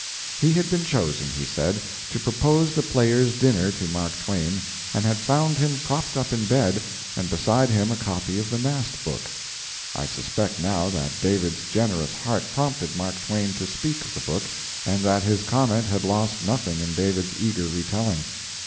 He had been chosen, he said, to propose the Players' dinner to Mark Twain, and had found him propped up in bed, and beside him a copy of the Nast book. I suspect now that David's generous heart prompted Mark Twain to speak of the book, and that his comment had lost nothing in David's eager retelling.